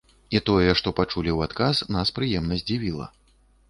І тое, што пачулі ў адказ, нас прыемна здзівіла.